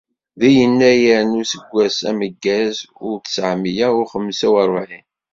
De yennayer n useggas n ameggaz u tesεemya u xemsa u rebεin.